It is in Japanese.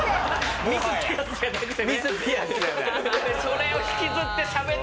ミスピアスじゃなくてね。